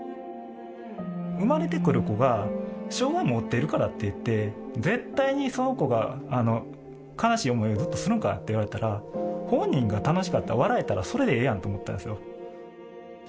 生まれてくる子が、障害持ってるからっていって、絶対にその子が悲しい思いをずっとするんかといわれたら、本人が楽しかったら、笑えたらそれでええやんと思ったんですよ。